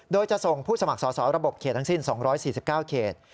โดยจะส่งผู้สมัครสอบระบบเขตทั้งสิ้น๒๔๙เขต